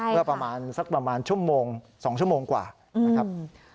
เมื่อประมาณสักประมาณชั่วโมง๒ชั่วโมงกว่านะครับ